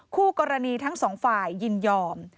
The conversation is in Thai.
คู่กรณีทั้งสองฝ่ายยินยอม